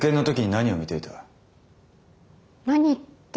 何って。